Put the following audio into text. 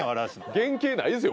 原形ないですよ